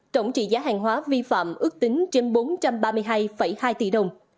tổng trị giá hàng hóa vi phạm ước tính trên bốn trăm ba mươi hai hai tỷ đồng